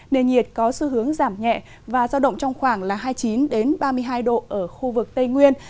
nền nhiệt có xu hướng giảm nhẹ và giao động trong khoảng hai mươi chín ba mươi hai độ ở khu vực tây nguyên